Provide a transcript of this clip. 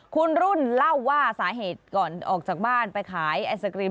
คุณรุ่นเล่าว่าสาเหตุก่อนออกจากบ้านไปขายไอศกรีม